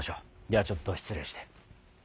ではちょっと失礼して。